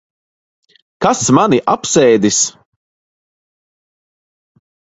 Kas mani apsēdis?